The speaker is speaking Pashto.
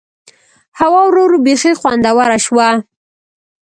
هوا ورو ورو بيخي خوندوره شوه.